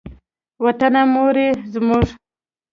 وطنه مور یې زموږ.